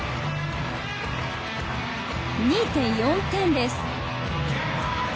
２．４点です。